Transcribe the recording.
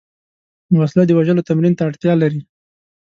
وسله د وژلو تمرین ته اړتیا لري